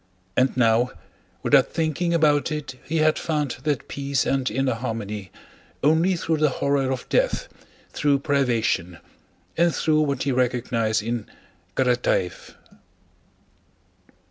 And now without thinking about it he had found that peace and inner harmony only through the horror of death, through privation, and through what he recognized in Karatáev.